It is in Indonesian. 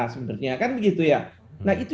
sebenarnya kan begitu ya nah itu